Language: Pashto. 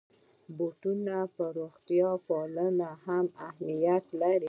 بوتل په روغتیا پالنه کې هم اهمیت لري.